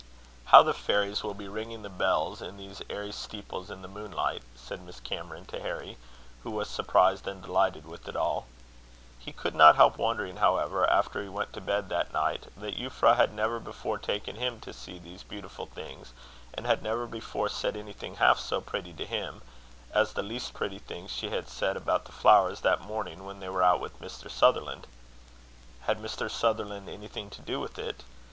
"How the fairies will be ringing the bells in these airy steeples in the moonlight!" said Miss Cameron to Harry, who was surprised and delighted with it all. He could not help wondering, however, after he went to bed that night, that Euphra had never before taken him to see these beautiful things, and had never before said anything half so pretty to him, as the least pretty thing she had said about the flowers that morning when they were out with Mr. Sutherland. Had Mr. Sutherland anything to do with it?